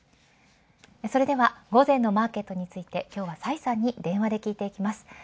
それでは午前のマーケットについて今日は、崔さんに電話で聞いていきます。